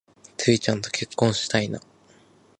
ツウィちゃんと結婚したいな